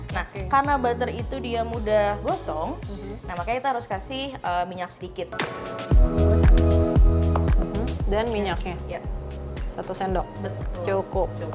nah karena butter itu dia mudah gosong nah makanya kita harus kasih minyak sedikit dan minyaknya satu sendok cukup